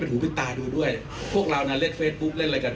เป็นหูพิตาดูด้วยพวกเราน่ะเล่นเฟซบุ๊คเล่นรายการ